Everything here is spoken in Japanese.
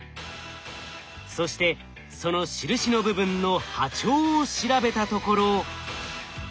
そしてその印の部分の波長を調べたところ。